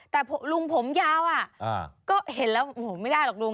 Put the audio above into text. แต่ลุงผมยาวก็เห็นแล้วไม่ได้หรอกลุง